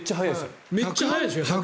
めっちゃ速いですよ。